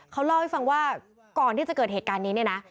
เขาเล่าให้ฟังว่าก่อนที่จะเกิดเหตุการณ์นี้เนี่ยนะ